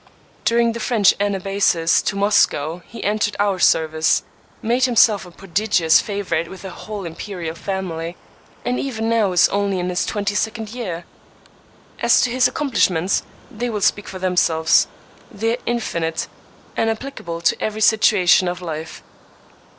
During the French anabasis to Moscow he entered our service, made himself a pro digious favorite with the whole imperial family, and even now is only in his twenty second year. As to his accom plishments, they will speak for themselves ; they are infinite, and applicable to every situation of life.